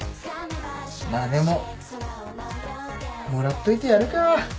まあでももらっといてやるか。